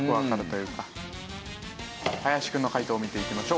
林くんの解答を見ていきましょう。